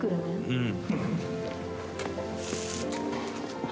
うん。